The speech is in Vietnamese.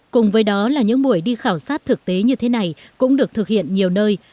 cùng với đó là những buổi đi khảo sát thực tế như thế này cũng được thực hiện nhiều nơi